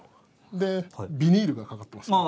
でビニールがかかってますよね。